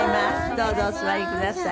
どうぞお座りください。